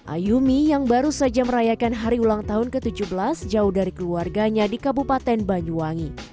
ayumi yang baru saja merayakan hari ulang tahun ke tujuh belas jauh dari keluarganya di kabupaten banyuwangi